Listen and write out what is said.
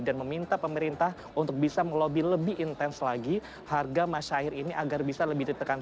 dan meminta pemerintah untuk bisa melobi lebih intens lagi harga masyair ini agar bisa lebih ditekan